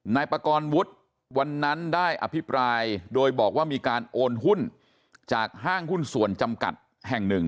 นายประกอบวุฒิวันนั้นได้อภิปรายโดยบอกว่ามีการโอนหุ้นจากห้างหุ้นส่วนจำกัดแห่งหนึ่ง